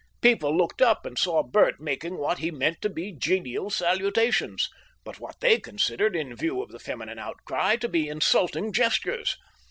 People looked up and saw Bert making what he meant to be genial salutations, but what they considered, in view of the feminine outcry, to be insulting gestures.